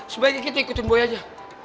sebaiknya kita ikutin boy aja